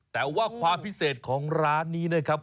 แต่ว่าความพิเศษของร้านนี้นะครับ